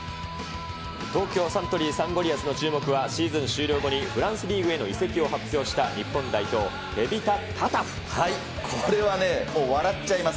東京サントリーサンゴリアスの注目はシーズン終了後に、フランスリーグへの移籍を発表しこれはね、もう笑っちゃいます。